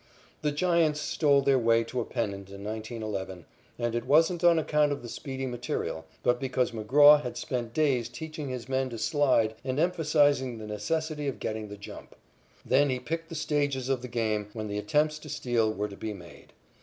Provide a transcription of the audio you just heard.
The Giants stole their way to a pennant in 1911, and it wasn't on account of the speedy material, but because McGraw had spent days teaching his men to slide and emphasizing the necessity of getting the jump. Then he picked the stages of the game when the attempts to steal were to be made.